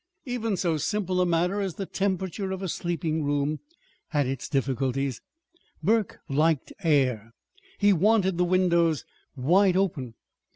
Even so simple a matter as the temperature of a sleeping room had its difficulties. Burke liked air. He wanted the windows wide open.